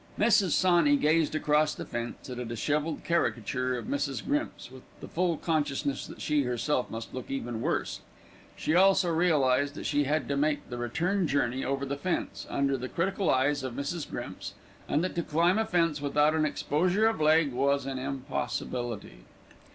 Mrs. Sawney gazed across the fence at a dishevelled caricature of Mrs. Grimps, with the full consciousness that she herself must look even worse. She also realised that she had to make the return journey over the fence, under the critical eyes of Mrs. Grimps, and that to climb a fence without an exposure of leg was an impossibility.